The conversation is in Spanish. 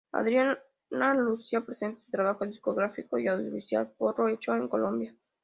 Adriana Lucía presenta su trabajo discográfico y audiovisual ""Porro Hecho en Colombia"".